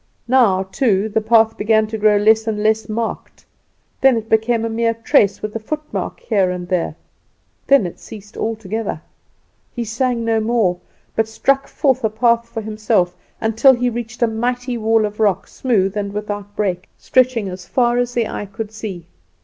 Now too the path began to grow less and less marked; then it became a mere trace, with a footmark here and there; then it ceased altogether. He sang no more, but struck forth a path for himself, until it reached a mighty wall of rock, smooth and without break, stretching as far as the eye could see.